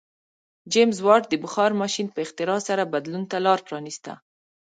جېمز واټ د بخار ماشین په اختراع سره بدلون ته لار پرانیسته.